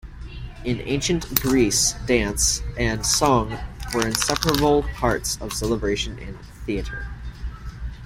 In Ancient Greece dance and song were inseparable parts of celebration and theatre.